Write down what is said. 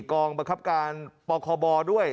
กองบังคับการปคบด้วย